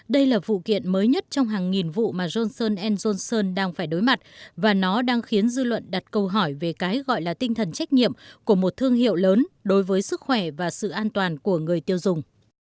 đây là vụ kiện mới nhất trong hàng nghìn vụ mà johnson johnson đang phải đối mặt và nó đang khiến dư luận đặt câu hỏi về cái gọi là tinh thần trách nhiệm của một thương hiệu lớn đối với sức khỏe và sự an toàn của người tiêu dùng